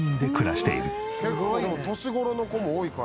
結構でも年頃の子も多いから。